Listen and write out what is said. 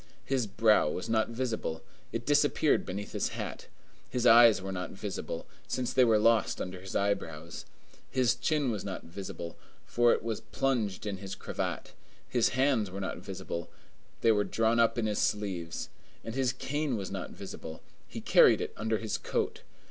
His brow was not visible; it disappeared beneath his hat: his eyes were not visible, since they were lost under his eyebrows: his chin was not visible, for it was plunged in his cravat: his hands were not visible; they were drawn up in his sleeves: and his cane was not visible; he carried it under his coat.